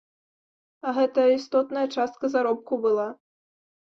А гэта істотная частка заробку была.